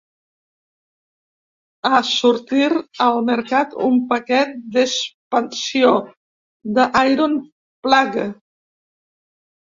Ha sortir al mercat un paquet d'expansió, "The Iron Plague".